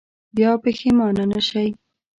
بیا پښېمانه نه شئ.